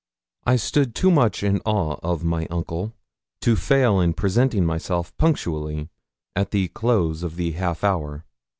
I stood too much in awe of my uncle to fail in presenting myself punctually at the close of the half hour.